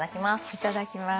いただきます。